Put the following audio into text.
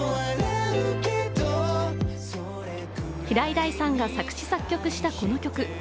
平井大さんが作詞作曲をしたこの曲。